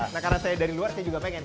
nah karena saya dari luar saya juga pengen